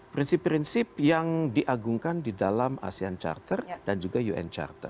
prinsip prinsip yang diagungkan di dalam asean charter dan juga un charter